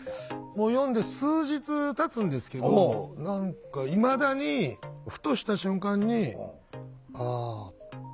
もう読んで数日たつんですけど何かいまだにふとした瞬間に「ああ」ってなってしまう。